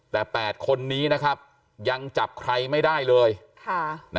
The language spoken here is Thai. แต่๘คนนี้นะครับยังจับใครไม่ได้เลยค่ะ